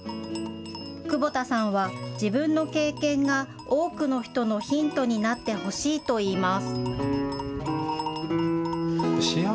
久保田さんは自分の経験が多くの人のヒントになってほしいといいます。